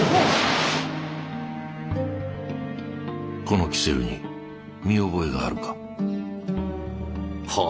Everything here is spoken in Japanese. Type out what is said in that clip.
この煙管に見覚えがあるか？は。